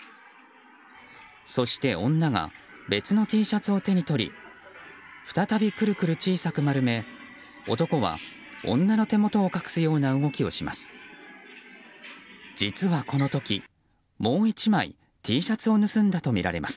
そして女が別のＴシャツを手に取り再びクルクル小さくまとめ男は女の手元を隠すような動きをします。